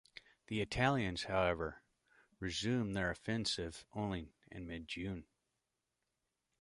The Italians, however, resumed their offensive only in mid-July.